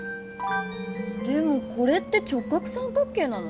でもこれって直角三角形なの？